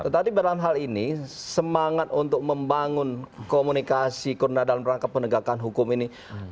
tadi dalam hal ini semangat untuk membangun komunikasi kurna dalam rangka penegakan hukum ini